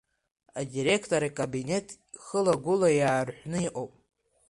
Адиректор икабинет хыла-гәыла иаарҳәны иҟоуп.